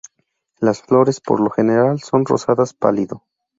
Las flores, por lo general, son rosadas pálido.